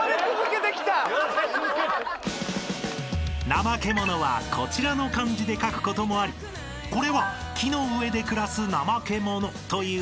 ［ナマケモノはこちらの漢字で書くこともありこれは木の上で暮らすナマケモノというそのままの意味］